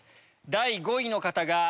第５位の方が。